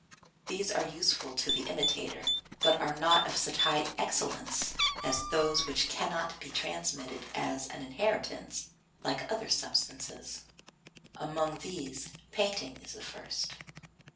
These are useful to the imitator, but are not of such high excellence as those which cannot be transmitted as an inheritance like other substances. Among these painting is the first.